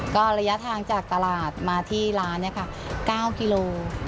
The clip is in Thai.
ก็ระยะทางจากตลาดมาที่ร้าน๙กิโล